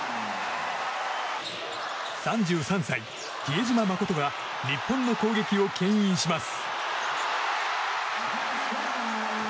３３歳、比江島慎が日本の攻撃を牽引します。